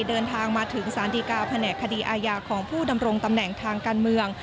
เดินทางมาถึงสารดีกาแผนกคดีอาญาของผู้ดำรงตำแหน่งทางการเมือง